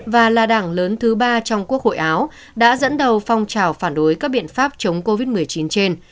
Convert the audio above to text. và là đảng lớn thứ ba trong quốc hội áo đã dẫn đầu phong trào phản đối các biện pháp chống covid một mươi chín trên